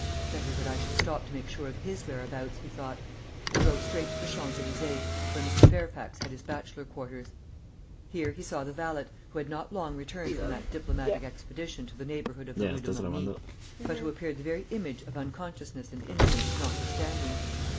"Better that I should stop to make sure of his whereabouts," he thought; and drove straight to the Champs Elysées, where Mr. Fairfax had his bachelor quarters. Here he saw the valet, who had not long returned from that diplomatic expedition to the neighbourhood of the Rue de Morny; but who appeared the very image of unconsciousness and innocence notwithstanding.